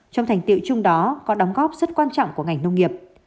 trong thành tiệu chung đó có đóng góp rất quan trọng của ngành nông nghiệp